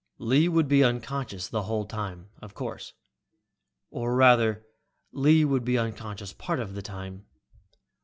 Lee would be unconscious the whole time, of course. Or rather Lee would be unconscious part of the time.